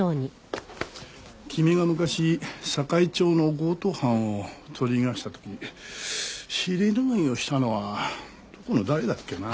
君が昔坂井町の強盗犯を取り逃がした時尻拭いをしたのはどこの誰だっけな？